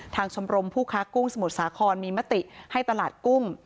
ชมรมผู้ค้ากุ้งสมุทรสาครมีมติให้ตลาดกุ้ง